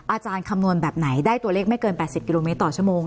คำนวณแบบไหนได้ตัวเลขไม่เกิน๘๐กิโลเมตรต่อชั่วโมง